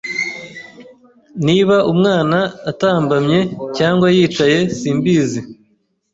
niba umwana atambamye cyangwa yicaye simbizi,